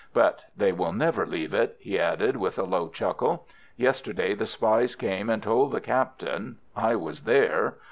But they will never leave it," he added, with a low chuckle. "Yesterday the spies came and told the Captain. I was there.